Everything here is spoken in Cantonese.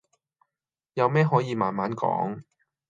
有咩可以慢慢講